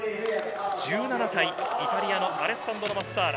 １７歳、イタリアのアレッサンドロ・マッザーラ。